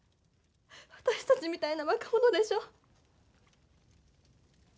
私たちみたいな若者でしょ。